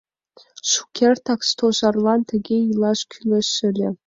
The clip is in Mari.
— Шукертак Стожарлан тыге илаш кӱлеш ыле!